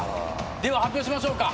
では発表しましょうか。